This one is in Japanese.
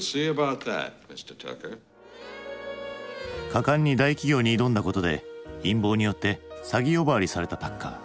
果敢に大企業に挑んだことで陰謀によって詐欺呼ばわりされたタッカー。